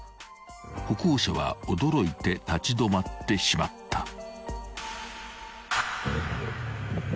［歩行者は驚いて立ち止まってしまった］